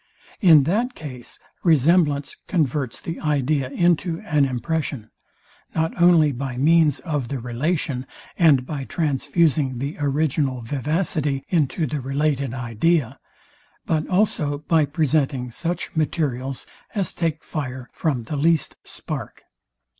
In that case resemblance converts the idea into an impression, not only by means of the relation, and by transfusing the original vivacity into the related idea; but also by presenting such materials as take fire from the least spark.